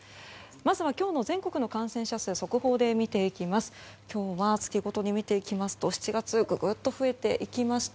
まずは今日の全国の感染者数を速報で見ていきます。